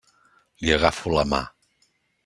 Li agafo la mà.